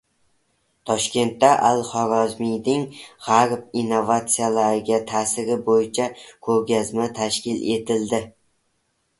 Toshkentda Al-Xorazmiyning G‘arb innovatsiyalariga ta’siri bo‘yicha ko‘rgazma tashkil etildi